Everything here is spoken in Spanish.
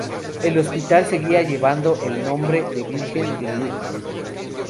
El hospital seguía llevando el nombre de "Virgen de Lluc".